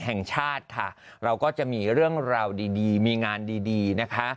แห่งชาติค่ะเราก็จะมีเรื่องราวดีมีงานดีนะคะ